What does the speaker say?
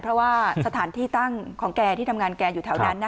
เพราะว่าสถานที่ตั้งของแกที่ทำงานแกอยู่แถวนั้น